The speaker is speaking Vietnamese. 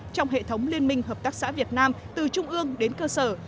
trong hệ thống liên minh hợp tác xã việt nam từ trung ương đến cơ sở